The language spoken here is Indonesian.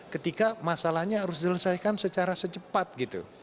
ketika masalahnya harus diselesaikan secara secepat gitu